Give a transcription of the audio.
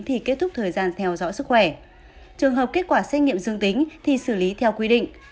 thì kết thúc thời gian theo dõi sức khỏe trường hợp kết quả xét nghiệm dương tính thì xử lý theo quy định